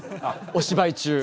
お芝居中。